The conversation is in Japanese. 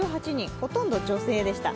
ほとんど女性でした。